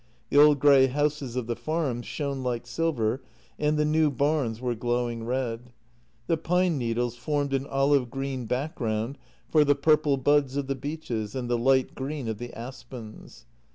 The old grey houses of the farms shone like silver, and the new barns were glowing red. The pine needles formed an olive green background for the purple buds of the beeches and the light green of the aspens.